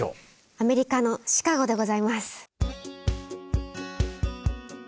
アメリカのシカゴでございます。